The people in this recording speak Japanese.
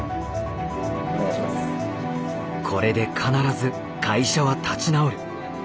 これで必ず会社は立ち直る。